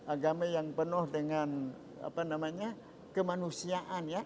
agama yang penuh dengan kemanusiaan ya